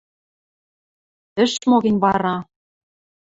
Ӹш мо гӹнь вара?